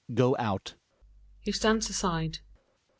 Go out. He stands aside.